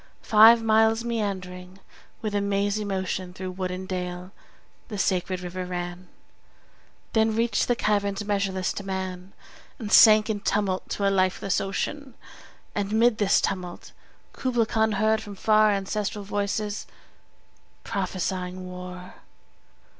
Five miles meandering with a mazy motion 25 Through wood and dale the sacred river ran, Then reach'd the caverns measureless to man, And sank in tumult to a lifeless ocean: And 'mid this tumult Kubla heard from far Ancestral voices prophesying war!